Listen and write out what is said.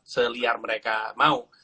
seliar mereka mau